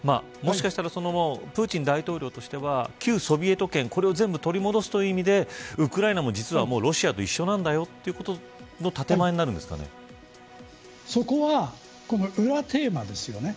もしかしたらプーチン大統領としては旧ソビエト圏を全部取り戻すという意味でウクライナも実はロシアと一緒なんだということのそこは、裏テーマですよね。